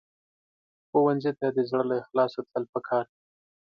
ښوونځی ته د زړه له اخلاصه تلل پکار دي